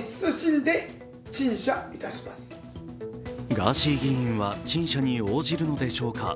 ガーシー議員は陳謝に応じるのでしょうか。